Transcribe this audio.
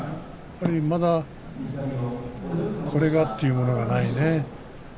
やっぱりまだこれだ、というものがないね。